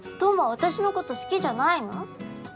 私のこと好きじゃないの？